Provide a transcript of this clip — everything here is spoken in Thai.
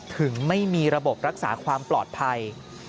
ถึงไม่มีระบบรักษาความปลอดภัย